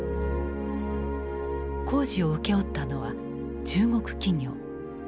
工事を請け負ったのは中国企業。